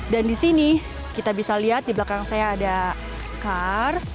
dan di sini kita bisa lihat di belakang saya ada kars